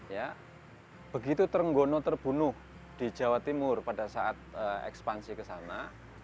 ya begitu trenggono terbunuh di jawa timur pada saat ekspansi ke sana